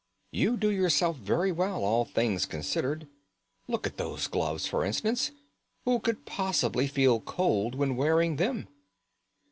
You do yourself very well, all things considered. Look at those gloves, for instance. Who could possibly feel cold when wearing them?"